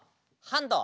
ハンド！